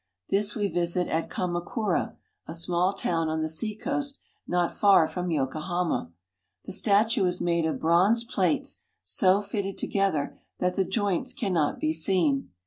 This we visit at Kamakura, a small town on the seacoast not far from Yokohama. The statue is made of bronze plated so fitted together that the joints cannot be seen.